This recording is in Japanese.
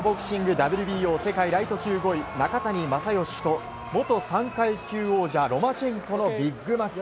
ＷＢＯ世界ライト級５位中谷正義と元３階級王者ロマチェンコのビッグマッチ。